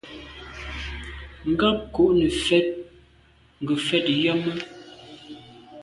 Ngab kô nefèt ngefet yàme.